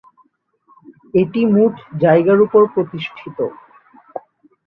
এটি মোট জায়গার ওপর প্রতিষ্ঠিত।